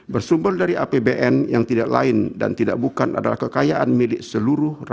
bersumber dari apbn yang tidak lain dan tidak bukan adalah kekayaan milik seluruh rakyat